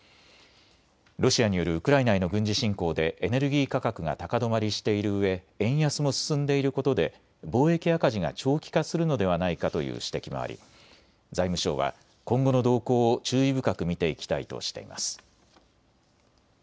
ロシアによるウクライナへの軍事侵攻でエネルギー価格が高止まりしているうえ円安も進んでいることで貿易赤字が長期化するのではないかという指摘もあり財務省は今後の動向を注意深く見ていきたいとしています。